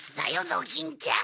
ドキンちゃん。